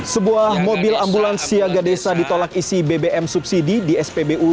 sebuah mobil ambulans siaga desa ditolak isi bbm subsidi di spbu